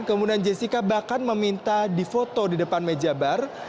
kemudian jessica bahkan meminta difoto di depan meja bar